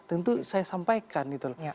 tentu saya sampaikan gitu loh